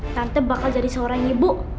tante bakal jadi seorang ibu